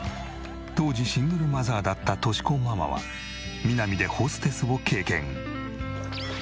当時シングルマザーだった敏子ママはミナミでホステスを経験。